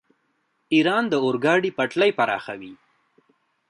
ایران د اورګاډي پټلۍ پراخوي.